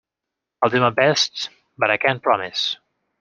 I'll do my best, but I can't promise.